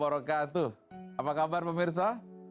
apa kabar pemirsa